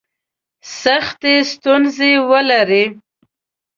سختي ستونزي ولري.